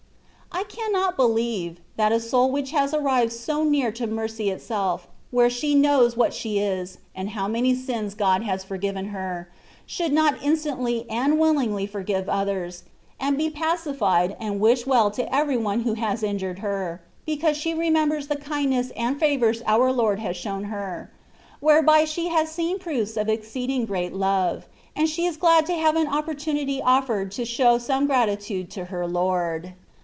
I cannot believe, that a soul which has arrived flo near to Mercy itself, where she knows what fihe is, and how many sins God has forgiven her, should not instantly and willingly forgive others, and be pacified and wish well to every one who has injured her, because she remembers the kindness and favours our Lord has shown her, whereby she has seen proo& of exceeding great love, and she is glad to have an opportunity offered to show some gratitude to her Lord.